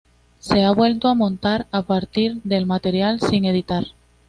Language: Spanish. Se ha vuelto a montar a partir del material sin editar.